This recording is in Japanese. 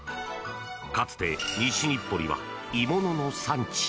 かつて西日暮里は鋳物の産地。